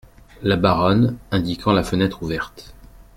La Baronne , indiquant la fenêtre ouverte.